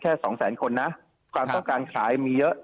แค่๒๐๐๐๐๐คนยังไงความต้องการขายมีเยอะ